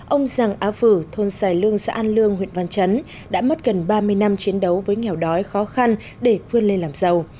ông giàng á phử thôn xài lương xã an lương huyện văn chấn đã mất gần ba mươi năm chiến đấu với nghèo đói khó khăn để vươn lên làm giàu